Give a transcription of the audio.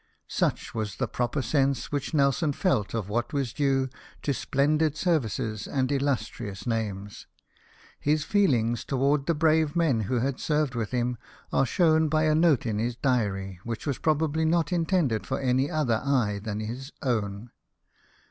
Such was the proper sense which Nelson felt of what was due to splendid .services and illustrious names. His feelings tOAvard the brave men who had served with him are shown by a note in his diary, which was probably not intended for any other eye than his own.